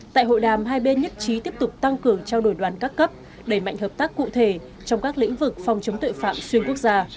tại hội đàm hai bên nhất trí tiếp tục tăng cường trao đổi đoàn các cấp đẩy mạnh hợp tác cụ thể trong các lĩnh vực phòng chống tội phạm xuyên quốc gia